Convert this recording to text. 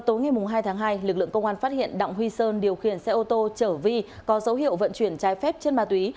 tối ngày hai tháng hai lực lượng công an phát hiện đặng huy sơn điều khiển xe ô tô chở vi có dấu hiệu vận chuyển trái phép chân ma túy